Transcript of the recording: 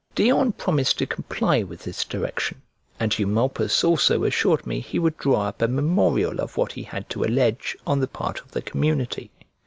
Dion promised to comply with this direction and Eumolpus also assured me he would draw up a memorial of what he had to allege on the part of the community.